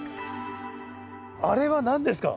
あれは何ですか？